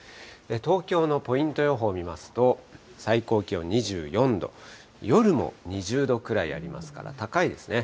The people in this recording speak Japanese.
東京のポイント予報を見ますと、最高気温２４度、夜も２０度くらいありますから、高いですね。